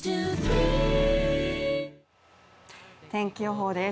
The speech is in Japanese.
天気予報です。